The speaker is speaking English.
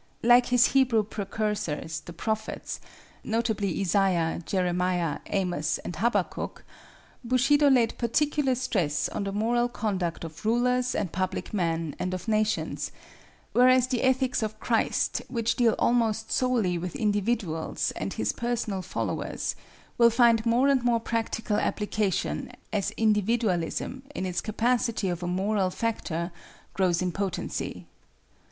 Like His Hebrew precursors, the prophets—notably Isaiah, Jeremiah, Amos and Habakkuk—Bushido laid particular stress on the moral conduct of rulers and public men and of nations, whereas the Ethics of Christ, which deal almost solely with individuals and His personal followers, will find more and more practical application as individualism, in its capacity of a moral factor, grows in potency.